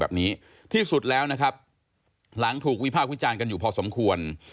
แบบนี้ที่สุดแล้วนะครับหลังถูกวิภาควิจารณ์กันอยู่พอสมควร